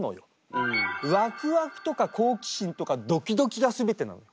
ワクワクとか好奇心とかドキドキがすべてなの。